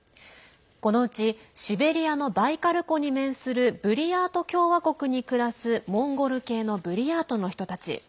このうち、シベリアのバイカル湖に面するブリヤート共和国に暮らすモンゴル系のブリヤートの人たち。